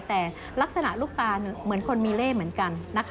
แต่ลักษณะลูกตาเหมือนคนมีเล่เหมือนกันนะคะ